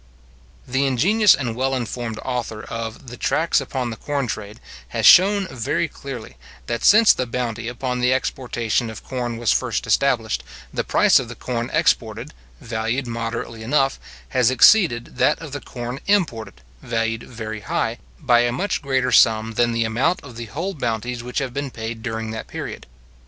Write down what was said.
The ingenious and well informed author of the Tracts upon the Corn Trade has shown very clearly, that since the bounty upon the exportation of corn was first established, the price of the corn exported, valued moderately enough, has exceeded that of the corn imported, valued very high, by a much greater sum than the amount of the whole bounties which have been paid during that period.